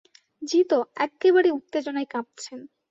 জি তো একেবারে উত্তেজনায় কাঁপছেন।